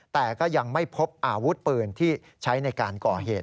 แต่ก็ยังไม่พบอาวุธปืนที่ใช้ในการก่อเหตุ